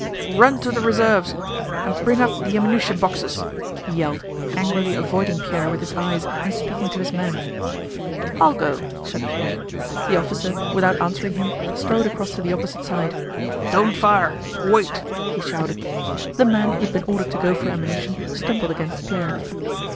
"Run to the reserves and bring up the ammunition boxes!" he yelled, angrily avoiding Pierre with his eyes and speaking to his men. "I'll go," said Pierre. The officer, without answering him, strode across to the opposite side. "Don't fire.... Wait!" he shouted. The man who had been ordered to go for ammunition stumbled against Pierre.